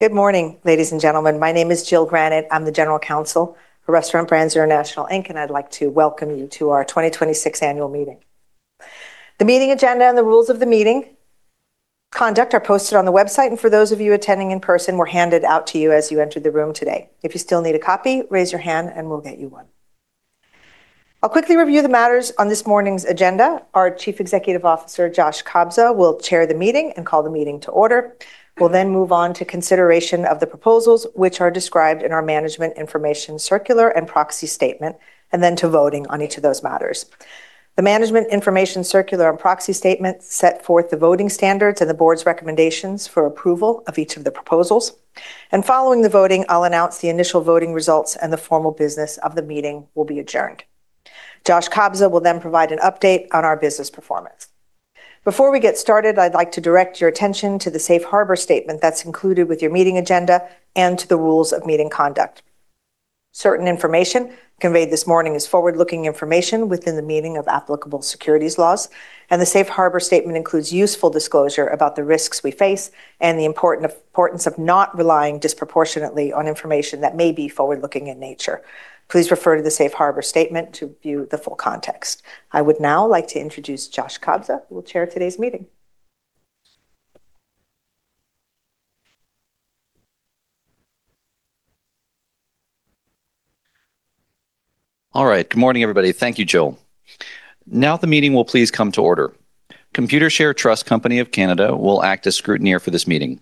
Good morning, ladies and gentlemen. My name is Jill Granat. I'm the general counsel for Restaurant Brands International Inc., and I'd like to welcome you to our 2026 annual meeting. The meeting agenda and the rules of the meeting conduct are posted on the website, and for those of you attending in person, were handed out to you as you entered the room today. If you still need a copy, raise your hand, and we'll get you one. I'll quickly review the matters on this morning's agenda. Our Chief Executive Officer, Josh Kobza, will chair the meeting and call the meeting to order. We'll then move on to consideration of the proposals, which are described in our management information circular and proxy statement, and then to voting on each of those matters. The management information circular and proxy statement set forth the voting standards and the board's recommendations for approval of each of the proposals. Following the voting, I'll announce the initial voting results, and the formal business of the meeting will be adjourned. Josh Kobza will provide an update on our business performance. Before we get started, I'd like to direct your attention to the safe harbor statement that's included with your meeting agenda and to the rules of meeting conduct. Certain information conveyed this morning is forward-looking information within the meaning of applicable securities laws, and the Safe Harbor statement includes useful disclosure about the risks we face and the importance of not relying disproportionately on information that may be forward-looking in nature. Please refer to the Safe Harbor statement to view the full context. I would now like to introduce Josh Kobza, who will chair today's meeting. All right. Good morning, everybody. Thank you, Jill. The meeting will please come to order. Computershare Trust Company of Canada will act as scrutineer for this meeting.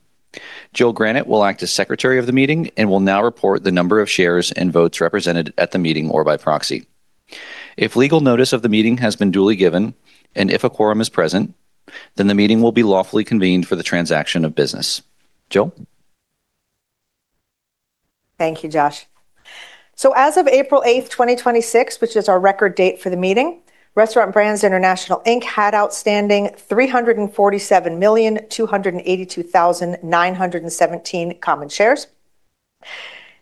Jill Granat will act as secretary of the meeting and will now report the number of shares and votes represented at the meeting or by proxy. If legal notice of the meeting has been duly given, and if a quorum is present, then the meeting will be lawfully convened for the transaction of business. Jill? Thank you, Josh. As of April 8th, 2026, which is our record date for the meeting, Restaurant Brands International Inc. had outstanding 347,282,917 common shares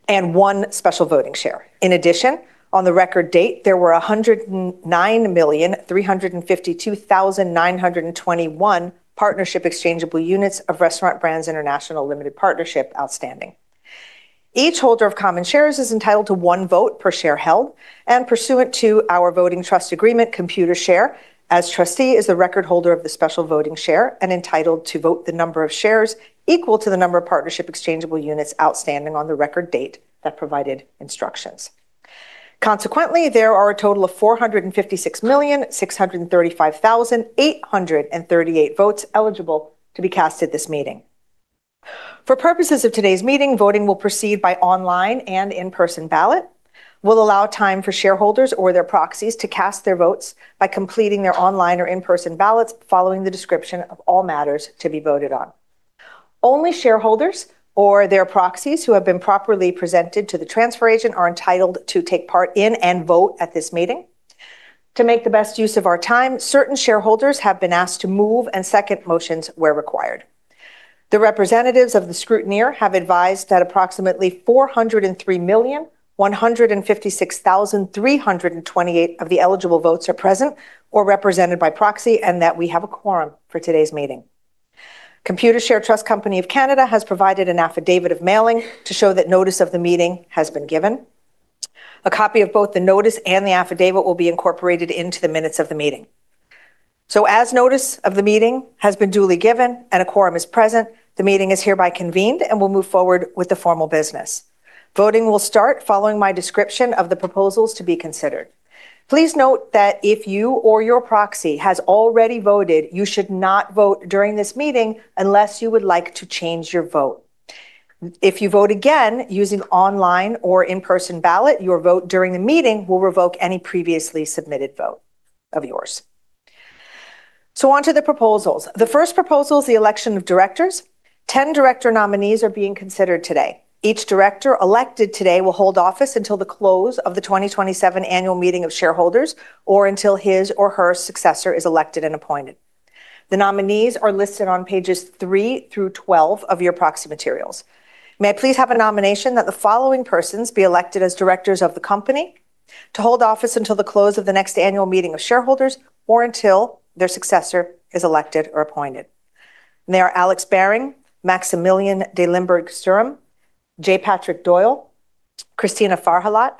and one special voting share. In addition, on the record date, there were 109,352,921 partnership exchangeable units of Restaurant Brands International Limited Partnership outstanding. Each holder of common shares is entitled to one vote per share held, and pursuant to our voting trust agreement, Computershare, as trustee, is the record holder of the special voting share and entitled to vote the number of shares equal to the number of partnership exchangeable units outstanding on the record date that provided instructions. Consequently, there are a total of 456,635,838 votes eligible to be cast at this meeting. For purposes of today's meeting, voting will proceed by online and in-person ballot. We'll allow time for shareholders or their proxies to cast their votes by completing their online or in-person ballots following the description of all matters to be voted on. Only shareholders or their proxies who have been properly presented to the transfer agent are entitled to take part in and vote at this meeting. To make the best use of our time, certain shareholders have been asked to move and second motions where required. The representatives of the scrutineer have advised that approximately 403,156,328 of the eligible votes are present or represented by proxy and that we have a quorum for today's meeting. Computershare Trust Company of Canada has provided an affidavit of mailing to show that notice of the meeting has been given. A copy of both the notice and the affidavit will be incorporated into the minutes of the meeting. As notice of the meeting has been duly given and a quorum is present, the meeting is hereby convened, and we'll move forward with the formal business. Voting will start following my description of the proposals to be considered. Please note that if you or your proxy has already voted, you should not vote during this meeting unless you would like to change your vote. If you vote again using online or in-person ballot, your vote during the meeting will revoke any previously submitted vote of yours. On to the proposals. The first proposal is the election of directors. 10 director nominees are being considered today. Each director elected today will hold office until the close of the 2027 annual meeting of shareholders or until his or her successor is elected and appointed. The nominees are listed on pages three through 12 of your proxy materials. May I please have a nomination that the following persons be elected as directors of the company to hold office until the close of the next annual meeting of shareholders or until their successor is elected or appointed? They are Alex Behring, Maximilien de Limburg Stirum, J. Patrick Doyle, Cristina Farjallat,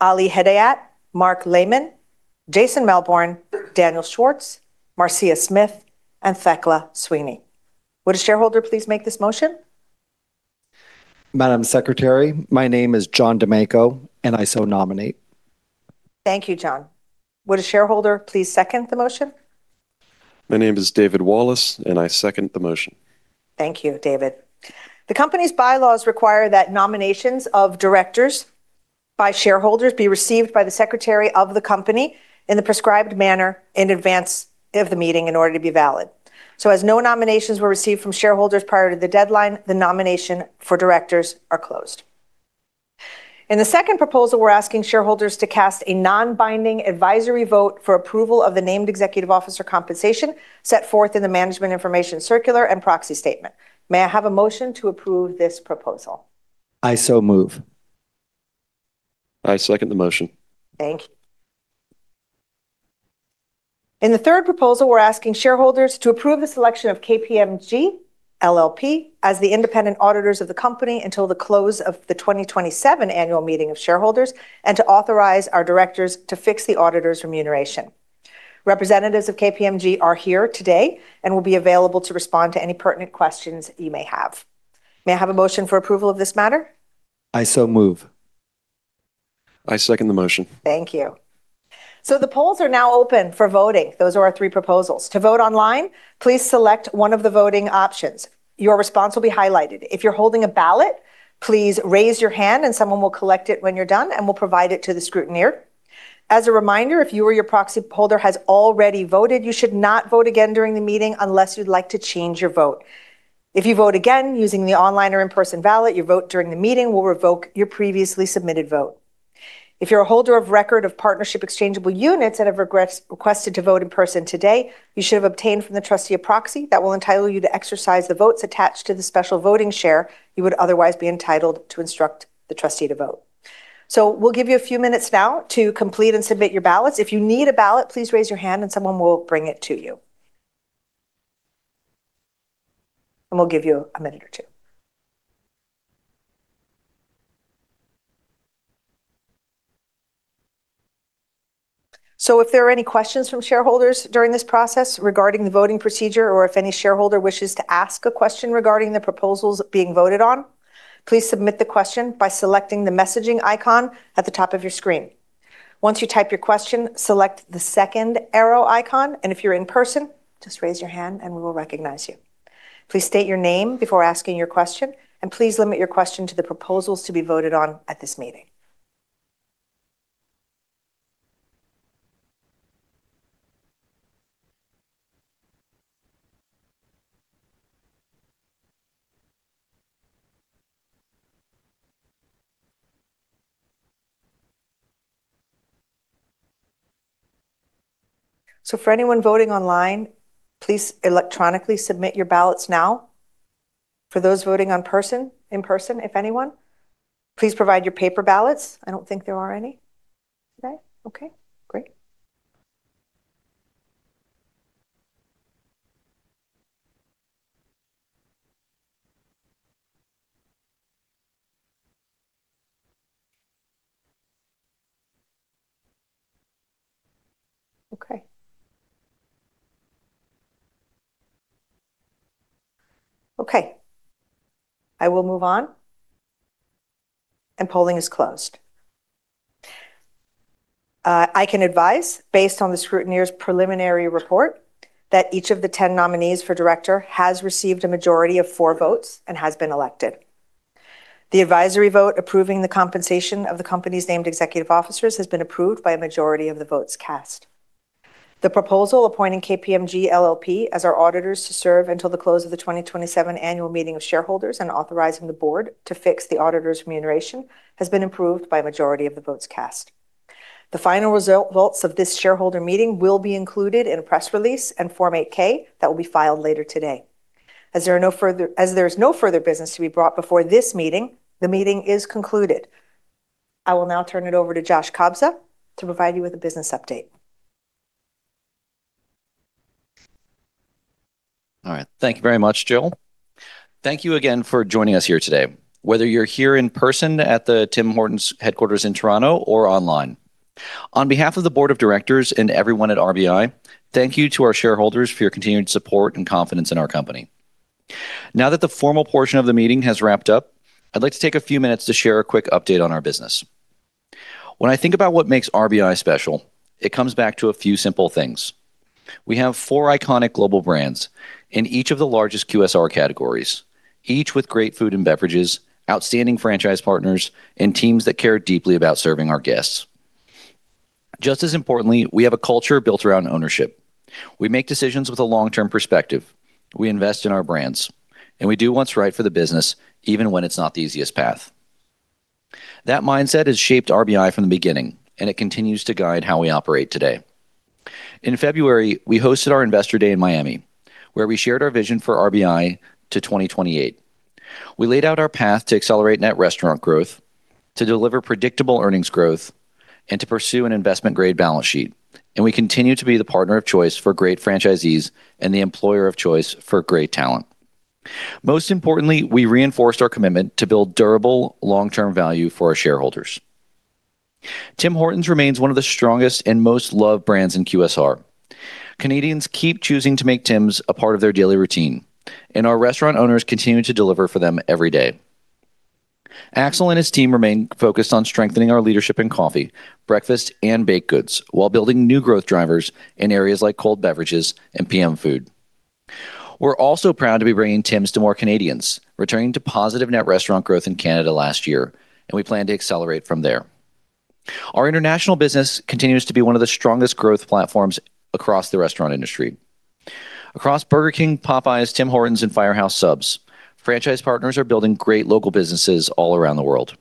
Ali Hedayat, Marc Lemann, Jason Melbourne, Daniel Schwartz, Marcia Smith, and Thecla Sweeney. Would a shareholder please make this motion? Madam Secretary, my name is John Demaco. I so nominate. Thank you, John. Would a shareholder please second the motion? My name is David Wallace, and I second the motion. Thank you, David. The company's bylaws require that nominations of directors by shareholders be received by the secretary of the company in the prescribed manner in advance of the meeting in order to be valid. As no nominations were received from shareholders prior to the deadline, the nomination for directors are closed. In the second proposal, we're asking shareholders to cast a non-binding advisory vote for approval of the named executive officer compensation set forth in the management information circular and proxy statement. May I have a motion to approve this proposal? I so move. I second the motion. In the third proposal, we're asking shareholders to approve the selection of KPMG LLP as the independent auditors of the company until the close of the 2027 annual meeting of shareholders, and to authorize our directors to fix the auditors' remuneration. Representatives of KPMG are here today and will be available to respond to any pertinent questions you may have. May I have a motion for approval of this matter? I so move. I second the motion. Thank you. The polls are now open for voting. Those are our three proposals. To vote online, please select one of the voting options. Your response will be highlighted. If you're holding a ballot, please raise your hand and someone will collect it when you're done, and will provide it to the scrutineer. As a reminder, if you or your proxy holder has already voted, you should not vote again during the meeting unless you'd like to change your vote. If you vote again using the online or in-person ballot, your vote during the meeting will revoke your previously submitted vote. If you're a holder of record of partnership exchangeable units and have requested to vote in person today, you should have obtained from the trustee of proxy that will entitle you to exercise the votes attached to the special voting share you would otherwise be entitled to instruct the trustee to vote. We'll give you a few minutes now to complete and submit your ballots. If you need a ballot, please raise your hand and someone will bring it to you. We'll give you a minute or two. If there are any questions from shareholders during this process regarding the voting procedure, or if any shareholder wishes to ask a question regarding the proposals being voted on, please submit the question by selecting the messaging icon at the top of your screen. Once you type your question, select the second arrow icon, and if you're in person, just raise your hand and we will recognize you. Please state your name before asking your question, and please limit your question to the proposals to be voted on at this meeting. For anyone voting online, please electronically submit your ballots now. For those voting in person, if anyone, please provide your paper ballots. I don't think there are any today. Okay, great. Okay. I will move on, and polling is closed. I can advise, based on the scrutineer's preliminary report, that each of the 10 nominees for director has received a majority of four votes and has been elected. The advisory vote approving the compensation of the company's named executive officers has been approved by a majority of the votes cast. The proposal appointing KPMG LLP as our auditors to serve until the close of the 2027 annual meeting of shareholders and authorizing the board to fix the auditors' remuneration has been approved by a majority of the votes cast. The final results of this shareholder meeting will be included in a press release and Form 8-K that will be filed later today. As there is no further business to be brought before this meeting, the meeting is concluded. I will now turn it over to Josh Kobza to provide you with a business update. All right. Thank you very much, Jill. Thank you again for joining us here today, whether you're here in person at the Tim Hortons headquarters in Toronto or online. On behalf of the board of directors and everyone at RBI, thank you to our shareholders for your continued support and confidence in our company. Now that the formal portion of the meeting has wrapped up, I'd like to take a few minutes to share a quick update on our business. When I think about what makes RBI special, it comes back to a few simple things. We have four iconic global brands in each of the largest QSR categories, each with great food and beverages, outstanding franchise partners, and teams that care deeply about serving our guests. Just as importantly, we have a culture built around ownership. We make decisions with a long-term perspective. We invest in our brands, we do what's right for the business, even when it's not the easiest path. That mindset has shaped RBI from the beginning, it continues to guide how we operate today. In February, we hosted our Investor Day in Miami, where we shared our vision for RBI to 2028. We laid out our path to accelerate net restaurant growth, to deliver predictable earnings growth, to pursue an investment-grade balance sheet, we continue to be the partner of choice for great franchisees and the employer of choice for great talent. Most importantly, we reinforced our commitment to build durable long-term value for our shareholders. Tim Hortons remains one of the strongest and most loved brands in QSR. Canadians keep choosing to make Tims a part of their daily routine, our restaurant owners continue to deliver for them every day. Axel and his team remain focused on strengthening our leadership in coffee, breakfast, and baked goods while building new growth drivers in areas like cold beverages and PM food. We're also proud to be bringing Tims to more Canadians, returning to positive net restaurant growth in Canada last year, and we plan to accelerate from there. Our international business continues to be one of the strongest growth platforms across the restaurant industry. Across Burger King, Popeyes, Tim Hortons, and Firehouse Subs, franchise partners are building great local businesses all around the world.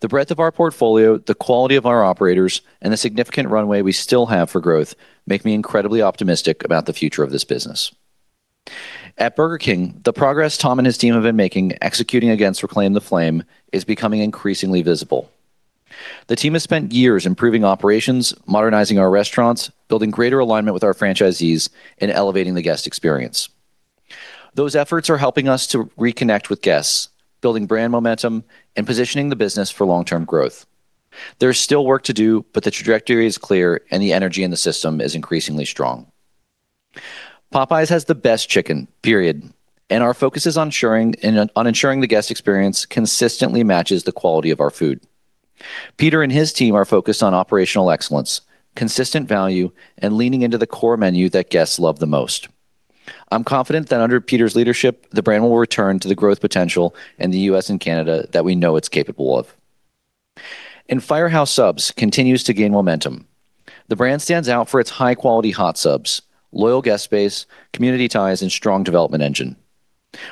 The breadth of our portfolio, the quality of our operators, and the significant runway we still have for growth, make me incredibly optimistic about the future of this business. At Burger King, the progress Tom and his team have been making executing against Reclaim the Flame is becoming increasingly visible. The team has spent years improving operations, modernizing our restaurants, building greater alignment with our franchisees, and elevating the guest experience. Those efforts are helping us to reconnect with guests, building brand momentum, and positioning the business for long-term growth. There's still work to do, but the trajectory is clear, and the energy in the system is increasingly strong. Popeyes has the best chicken, period. Our focus is on ensuring the guest experience consistently matches the quality of our food. Peter and his team are focused on operational excellence, consistent value, and leaning into the core menu that guests love the most. I'm confident that under Peter's leadership, the brand will return to the growth potential in the U.S. and Canada that we know it's capable of. Firehouse Subs continues to gain momentum. The brand stands out for its high-quality hot subs, loyal guest base, community ties, and strong development engine.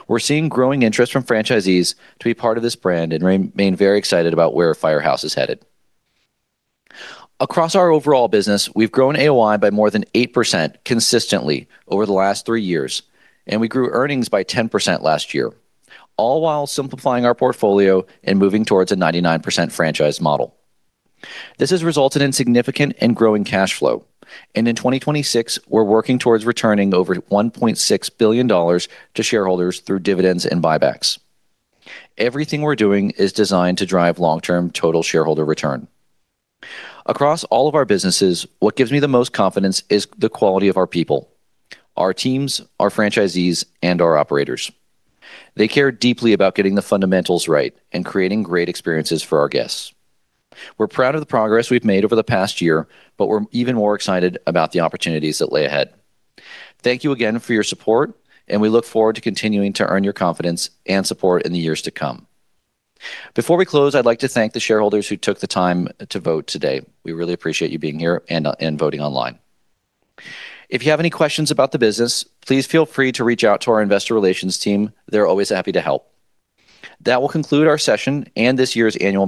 We're seeing growing interest from franchisees to be part of this brand and remain very excited about where Firehouse Subs is headed. Across our overall business, we've grown AOI by more than 8% consistently over the last three years, and we grew earnings by 10% last year, all while simplifying our portfolio and moving towards a 99% franchise model. This has resulted in significant and growing cash flow. In 2026, we're working towards returning over $1.6 billion to shareholders through dividends and buybacks. Everything we're doing is designed to drive long-term total shareholder return. Across all of our businesses, what gives me the most confidence is the quality of our people, our teams, our franchisees, and our operators. They care deeply about getting the fundamentals right and creating great experiences for our guests. We're proud of the progress we've made over the past year, we're even more excited about the opportunities that lie ahead. Thank you again for your support, we look forward to continuing to earn your confidence and support in the years to come. Before we close, I'd like to thank the shareholders who took the time to vote today. We really appreciate you being here and voting online. If you have any questions about the business, please feel free to reach out to our investor relations team. They're always happy to help. That will conclude our session and this year's annual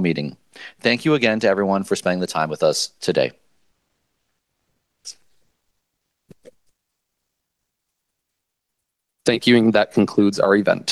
meeting. Thank you again to everyone for spending the time with us today. Thank you, that concludes our event.